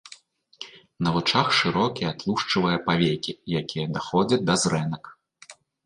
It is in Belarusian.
На вачах шырокія тлушчавыя павекі, якія даходзяць да зрэнак.